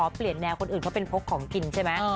เปลี่ยนแนวคนอื่นเขาเป็นพกของกินใช่ไหม